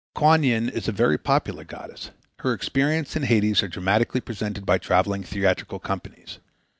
Kuan Yin is a very popular goddess. Her experiences in Hades are dramatically presented by traveling theatrical companies.